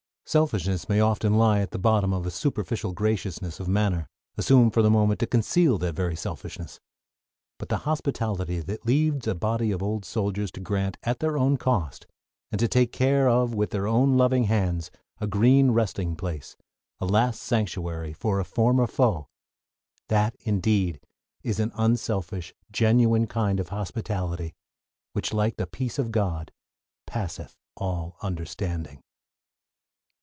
Selfishness may lie often at the bottom of a superficial graciousness of manner assumed for the moment to conceal that very selfishness; but the hospitality that leads a body of old soldiers to grant at their own cost, and to take care of with their own loving hands, a green resting place, a last sanctuary, for a former foe, that indeed is an unselfish, genuine kind of hospitality which, like the peace of God, passeth all understanding.